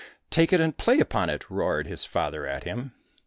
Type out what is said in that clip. " Take it and play upon it !" roared his father at him.